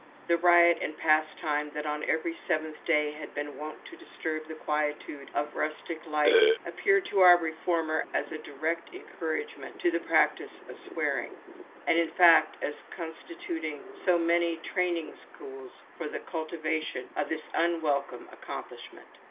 The riot and pastime that on every seventh day had been wont to disturb the quietude of rustic life appeared to our reformer as a direct encouragement to the practice of swearing, and in fact as constituting so many training schools for the cultivation of this unwelcome accomplishment.